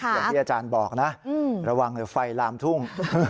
อย่างที่อาจารย์บอกนะระวังเดี๋ยวไฟลามทุ่ง